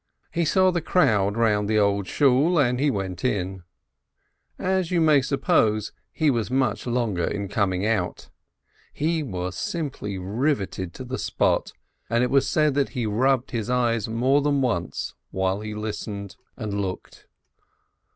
He saw the crowd round the Old Shool, and he went in. As you may suppose, he was much longer in coming out. He was simply riveted to the spot, and it is said that he rubbed his eyes more than once while he listened 226 LERNER and looked.